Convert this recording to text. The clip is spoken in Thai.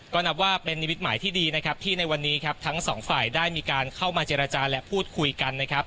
ก็นับว่าเป็นนิมิตหมายที่ดีนะครับที่ในวันนี้ครับทั้งสองฝ่ายได้มีการเข้ามาเจรจาและพูดคุยกันนะครับ